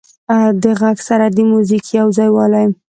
د غږ سره د موزیک یو ځایوالی